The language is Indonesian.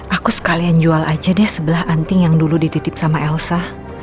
aku sekalian jual aja deh sebelah anting yang dulu dititip sama elsa